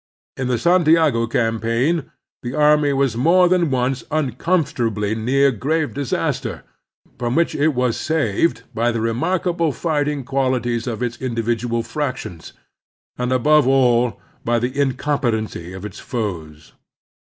In the Santiago campaign the army was more than once tmcomfortably near grave disaster, from which it was saved by the remark able fighting qualities of its individual fractions, and, above all, by the incompetency of its foes.